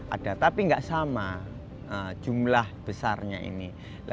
ada tapi nggak sama jumlah besarnya ini